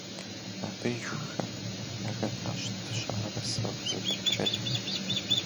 Абы и жыгхэм яхэтащ дыщэӀэрысэ къызыпыкӀэри.